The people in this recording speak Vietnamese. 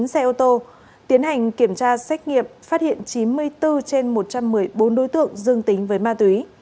bốn xe ô tô tiến hành kiểm tra xét nghiệm phát hiện chín mươi bốn trên một trăm một mươi bốn đối tượng dương tính với ma túy